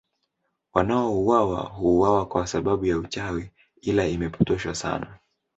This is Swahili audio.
Wanaouwawa huuwawa kwa sababu ya uchawi ila imepotoshwa sana